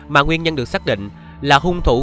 mà nguyên nhân được xác định là hùng thủ